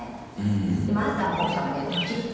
でも、あなたは奥様にやってほしいって。